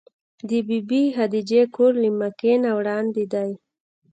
د بي بي خدېجې کور له مکې نه وړاندې دی.